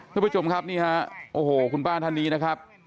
ทุกผู้ชมครับนี่ค่ะโอ้โฮคุณป้าธานีนะครับ